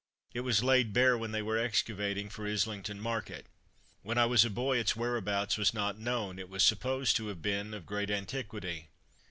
It was laid bare when they were excavating for Islington Market. When I was a boy its whereabouts was not known; it was supposed to have been of great antiquity.